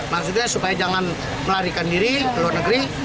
maksudnya supaya jangan melarikan diri ke luar negeri